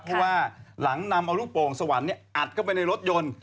เพราะว่าหลังนำเอาลูกโป่งสวรรค์อัดเข้าไปในรถยนต์